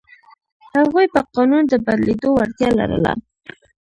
هغوی په قانون د بدلېدو وړتیا لرله.